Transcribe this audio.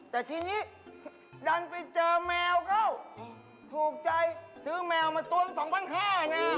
แต่ทีนี้ดันไปเจอแมวเขาถูกใจซื้อแมวมาต้นสองบ้านห้าไง